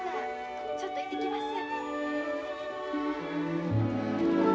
ちょっと行ってきます。